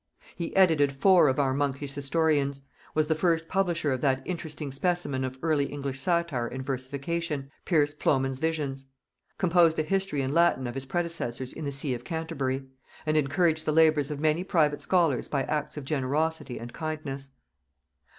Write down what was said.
He edited four of our monkish historians; was the first publisher of that interesting specimen of early English satire and versification, Pierce Plowman's Visions; composed a history in Latin of his predecessors in the see of Canterbury, and encouraged the labors of many private scholars by acts of generosity and kindness.